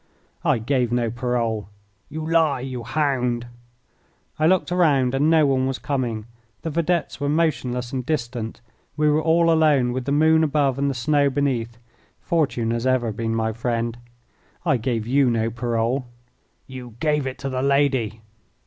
"I gave no parole." "You lie, you hound!" I looked around and no one was coming. The vedettes were motionless and distant. We were all alone, with the moon above and the snow beneath. Fortune has ever been my friend. "I gave you no parole." "You gave it to the lady."